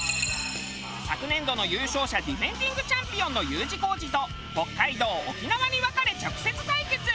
昨年度の優勝者ディフェンディングチャンピオンのＵ字工事と北海道沖縄に分かれ直接対決。